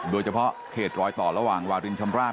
โดยเฉพาะเขตรอยต่อระหว่างวารินชำราบ